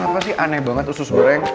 lo kenapa sih aneh banget usus goreng